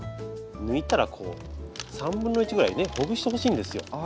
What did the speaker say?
抜いたらこう３分の１ぐらい根ほぐしてほしいんですよ。